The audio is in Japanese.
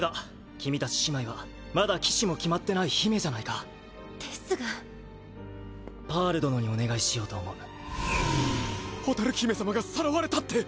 君たち姉妹はまだ騎士も決まってない姫じゃないかですがパール殿にお願いしよう蛍姫様がさらわれたって！